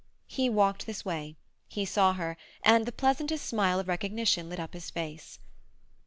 He walked this way; he saw her; and the pleasantest smile of recognition lit up his face.